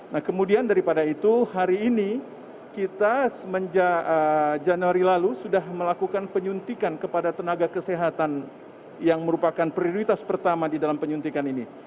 nah kemudian daripada itu hari ini kita semenjak januari lalu sudah melakukan penyuntikan kepada tenaga kesehatan yang merupakan prioritas pertama di dalam penyuntikan ini